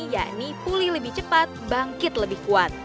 yakni pulih lebih cepat bangkit lebih kuat